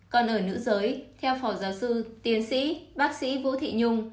còn ở nữ giới theo phò giáo sư tiến sĩ bác sĩ vũ thị nhung